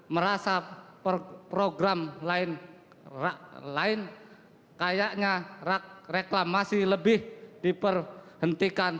merasa program lain kayaknya reklamasi lebih diperhentikan